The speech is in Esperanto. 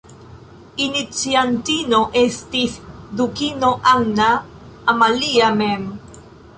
Iniciantino estis dukino Anna Amalia mem.